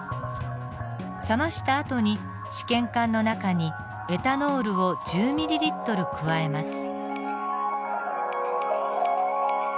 冷ましたあとに試験官の中にエタノールを１０ｍＬ加えます。